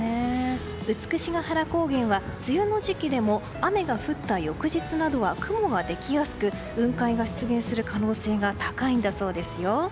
美ヶ原高原は梅雨の時期でも雨が降った翌日などは雲ができやすく雲海が出現する可能性が高いんだそうですよ。